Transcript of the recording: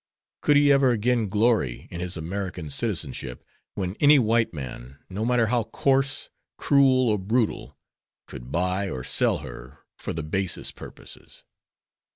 Could he ever again glory in his American citizenship, when any white man, no matter how coarse, cruel, or brutal, could buy or sell her for the basest purposes?